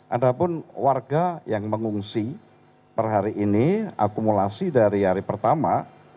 ada pun warga yang mengungsi per hari ini akumulasi dari hari pertama